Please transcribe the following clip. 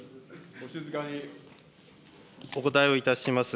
お答えをいたします。